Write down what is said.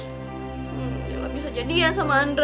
lila bisa jadian sama andre